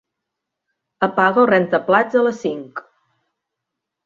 Apaga el rentaplats a les cinc.